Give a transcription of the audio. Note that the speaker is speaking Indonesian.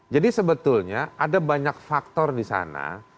jadi sebetulnya ada banyak faktor disana